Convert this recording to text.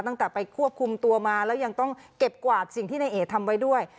ตั้งแต่ไปควบคุมตัวมาแล้วยังต้องเก็บกวาดสิ่งที่นายเอ๋ทำไว้ด้วย